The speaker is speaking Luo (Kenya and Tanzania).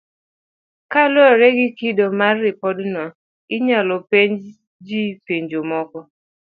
Kaluwore gi kido mar ripodno, inyalo penjo ji penjo moko,